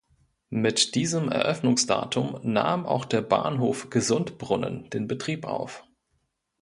Mit diesem Eröffnungsdatum nahm auch der Bahnhof Gesundbrunnen den Betrieb auf.